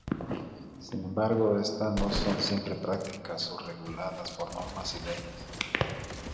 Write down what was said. Sin embargo, estas no son siempre prácticas o reguladas por normas y leyes.